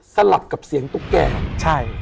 สลับกับเสียงตุ๊กแก่ใช่